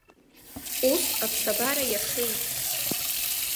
Ус аԥсабара иашеит.